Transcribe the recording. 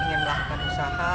ingin melakukan usaha